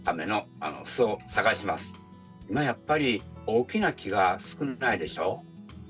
今やっぱり大きな木が少ないでしょ。